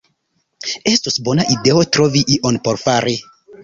Estus bona ideo trovi ion por fari.